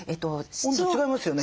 温度違いますよね